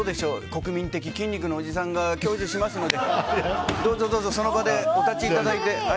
国民的筋肉のおじさんが教示しますのでその場でお立ちいただいて。